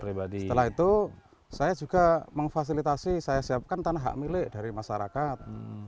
setelah itu saya juga memfasilitasi saya siapkan tanah hak milik dari masyarakat